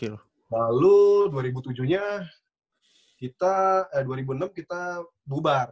lalu dua ribu tujuh nya kita dua ribu enam kita bubar